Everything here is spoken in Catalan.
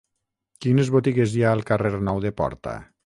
Quines botigues hi ha al carrer Nou de Porta?